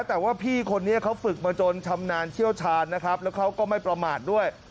แต่ว่าพี่คนนี้เขาฝึกมาจนชำนาญเชี่ยวชาญนะครับแล้วเขาก็ไม่ประมาทด้วย